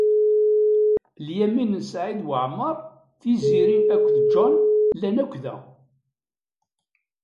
Lyamin n Saɛid Waɛmeṛ, Tiziri akked John llan akk da.